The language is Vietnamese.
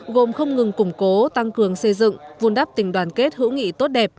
gồm không ngừng củng cố tăng cường xây dựng vun đắp tình đoàn kết hữu nghị tốt đẹp